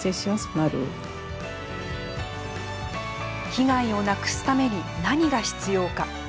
被害をなくすために何が必要か。